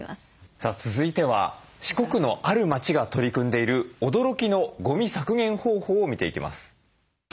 さあ続いては四国のある町が取り組んでいる驚きのゴミ削減方法を見ていきます。